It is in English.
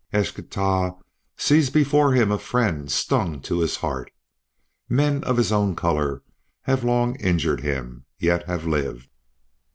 "Eschtah sees before him a friend stung to his heart. Men of his own color have long injured him, yet have lived.